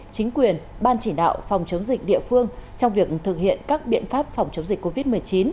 chính quyền ban chỉ đạo phòng chống dịch địa phương trong việc thực hiện các biện pháp phòng chống dịch covid một mươi chín